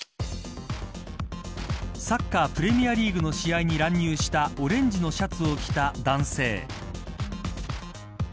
サッカー、プレミアリーグの試合に乱入したオレンジのシャツを着た男性。